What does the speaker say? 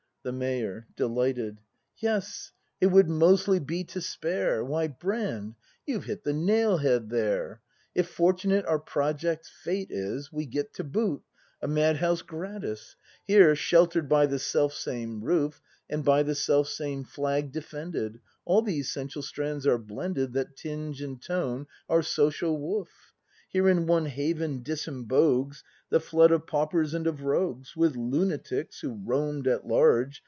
The Mayor. [Delighted.] Yes, it would mostly be to spare! Why, Brand, you've hit the nail head there! If fortunate our project's fate is. We get to boot — a Mad house gratis; Here, shclter'd by the selfsame roof. And by the selfsame flag defended. All the essential strands are blended That tinge and tone our social woof. Here in one haven disembogues The flood of Paupers and of Rogues; With Lunatics who roajn'd at large.